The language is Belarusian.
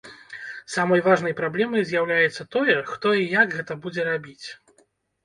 Самай важнай праблемай з'яўляецца тое, хто і як гэта будзе рабіць.